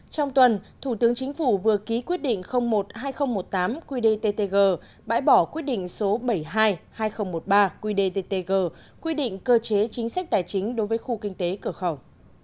trong tuần thủ tướng chính phủ vừa ký quyết định một hai nghìn một mươi tám qdttg bãi bỏ quyết định số bảy mươi hai hai nghìn một mươi ba qdttg quy định cơ chế chính sách tài chính đối với khu kinh tế cửa khẩu